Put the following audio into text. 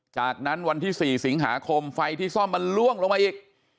จากนั้นวันที่๔สิงหาคมไฟที่ซ่อมมันล่วงลงมาอีก